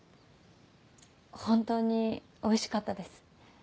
本当においしかったです。